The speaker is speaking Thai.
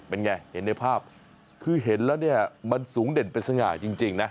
เป็นไงเห็นในภาพคือเห็นแล้วเนี่ยมันสูงเด่นเป็นสง่าจริงนะ